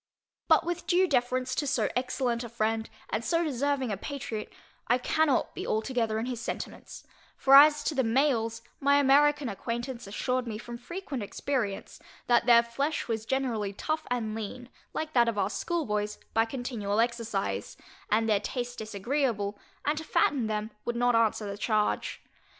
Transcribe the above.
But with due deference to so excellent a friend, and so deserving a patriot, I cannot be altogether in his sentiments; for as to the males, my American acquaintance assured me from frequent experience, that their flesh was generally tough and lean, like that of our schoolboys, by continual exercise, and their taste disagreeable, and to fatten them would not answer the charge.